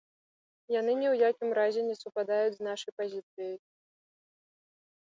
Яны ні ў якім разе не супадаюць з нашай пазіцыяй.